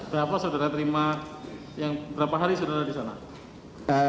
berapa saudara terima yang berapa hari saudara di sana